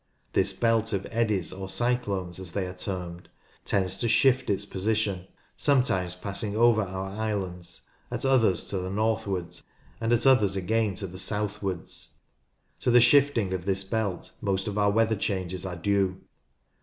This belt of eddies, or cyclones, as they are termed, tends to shift its position, sometimes passing over our islands, at others to the northwards and at others again to the southwards. To the shifting of this belt most of our weather changes are due.